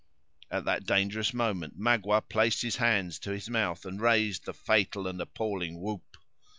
At that dangerous moment, Magua placed his hands to his mouth, and raised the fatal and appalling whoop.